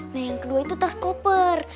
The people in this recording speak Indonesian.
nah yang kedua itu tas koper